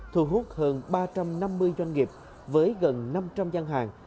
thu hút hơn ba trăm năm mươi doanh nghiệp với gần năm trăm linh gian hàng